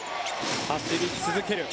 走り続ける。